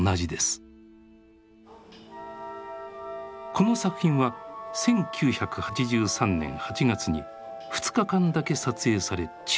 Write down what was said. この作品は１９８３年８月に２日間だけ撮影され中断。